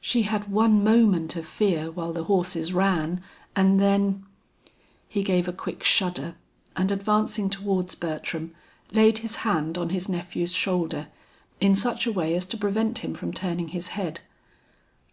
"She had one moment of fear while the horses ran, and then " He gave a quick shudder and advancing towards Bertram, laid his hand on his nephew's shoulder in such a way as to prevent him from turning his head.